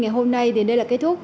ngày hôm nay đến đây là kết thúc